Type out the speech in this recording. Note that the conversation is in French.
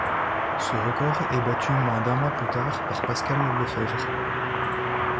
Ce record est battu moins d'un mois plus tard par Pascal Lefèvre.